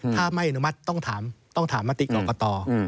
ถ้าไม่อนุมัติต้องถามต้องถามมติกรกต